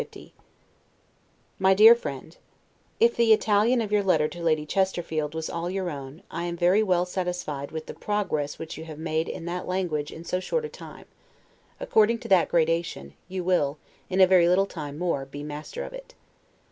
1750 MY DEAR FRIEND: If the Italian of your letter to Lady Chesterfield was all your own, I am very well satisfied with the progress which you have made in that language in so short a time; according to that gradation, you will, in a very little time more, be master of it.